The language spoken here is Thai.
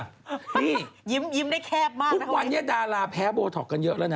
ทุกวันนี้ดาราแพ้โบตอคกันเยอะแล้วนะ